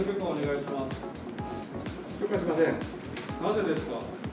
なぜですか？